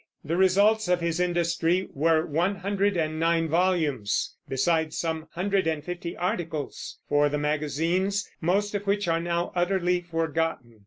The results of his industry were one hundred and nine volumes, besides some hundred and fifty articles for the magazines, most of which are now utterly forgotten.